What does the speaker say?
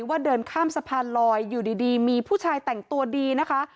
ว่าเดินข้ามสะพานลอยอยู่ดีมีผู้ชายแต่งตัวดีนะคะ